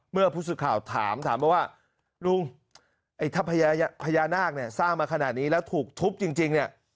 เมื่อผู้สื่อข่าวถามถามมาว่าลุงถ้าพญานาคเนี่ยสร้างมาขนาดนี้แล้วถูกทุบจริงเนี่ย